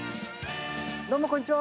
どうもこんにちは。